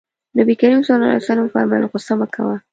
نبي کريم ص وفرمايل غوسه مه کوه.